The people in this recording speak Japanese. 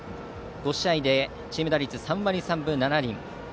５試合でチーム打率３割３分７厘。